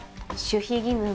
守秘義務！